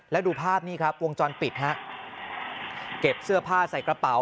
แล้วดูภาพนี้ครับวงจรปิดฮะเก็บเสื้อผ้าใส่กระเป๋า